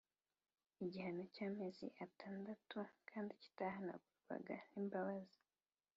Igihano cy’amezi atandatu kandi kitahanagurwa n’imbabazi